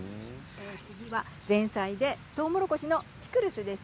前菜はとうもろこしのピクルスです。